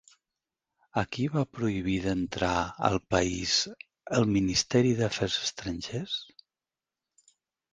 A qui va prohibir d'entrar al país el Ministeri d'Afers Estrangers?